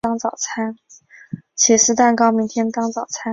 起司蛋糕明天当早餐